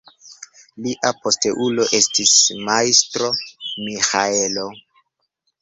Lia posteulo estis Majstro Miĥaelo.